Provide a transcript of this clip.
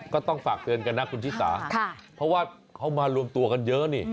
ก็ต้องฝากเตือนกันนะคุณชิสาเพราะว่าเขามารวมตัวกันเยอะนี่